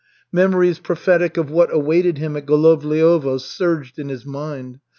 Memories prophetic of what awaited him at Golovliovo surged in his mind.